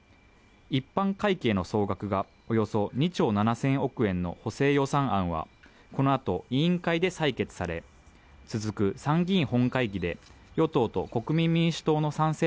一般会計の総額がおよそ２兆７０００億円の補正予算案はこのあと委員会で採決され続く参議院本会議で与党と国民民主党の賛成